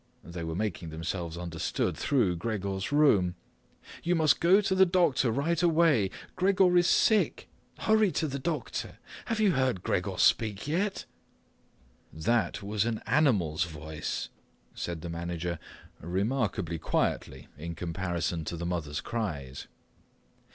They were making themselves understood through Gregor's room. "You must go to the doctor right away. Gregor is sick. Hurry to the doctor. Have you heard Gregor speak yet?" "That was an animal's voice," said the manager, remarkably quietly in comparison to the mother's cries.